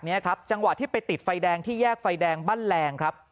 นี้ครับจังหวะที่ไปติดไฟแดงที่แยกไฟแดงบ้านแรงครับ